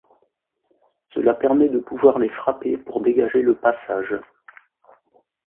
Cela permet de pouvoir les frapper pour dégager le passage.